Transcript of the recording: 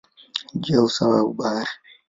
juu ya usawa wa bahari.